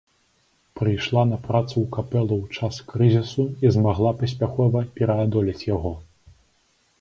Прыйшла на працу ў капэлу ў час крызісу і змагла паспяхова пераадолець яго.